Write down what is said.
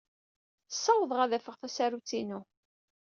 Ssawḍeɣ ad d-afeɣ tasarut-inu.